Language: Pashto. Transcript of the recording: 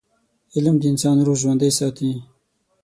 علم د انسان روح ژوندي ساتي.